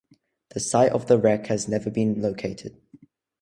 The site of the wreck has never been located.